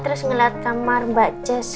terus ngeliat kamar mbak ces